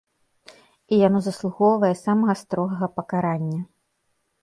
І яно заслугоўвае самага строгага пакарання.